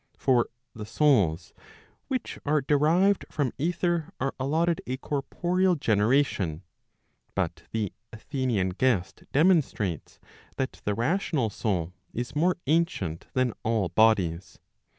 For the souls which are derived from ether are allotted a corporeal generation; but the Athenian guest demonstrates that the rational soul is more ancient than all bodies.